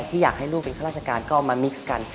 ที่อยากให้ลูกเป็นข้าราชการก็มามิกซ์กัน